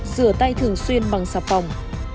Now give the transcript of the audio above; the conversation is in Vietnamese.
rửa tay thường xuyên bằng sạp phòng